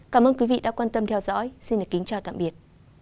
cảm ơn quý vị đã quan tâm theo dõi xin kính chào tạm biệt